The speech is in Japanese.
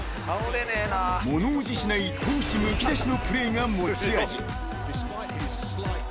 ［物おじしない闘志むき出しのプレーが持ち味］